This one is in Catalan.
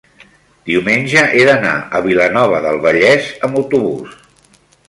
diumenge he d'anar a Vilanova del Vallès amb autobús.